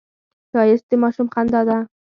ښایست د ماشوم خندا ده